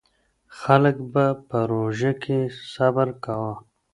خلک به په روژه کې صبر کاوه.